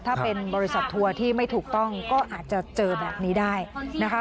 ถ้าเป็นบริษัททัวร์ที่ไม่ถูกต้องก็อาจจะเจอแบบนี้ได้นะคะ